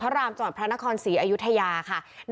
บึงพระรามจตลาดพระนครสี่อายุทยาสักครู่แล้วกัน